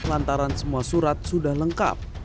lantaran semua surat sudah lengkap